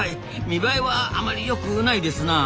見栄えはあまりよくないですな。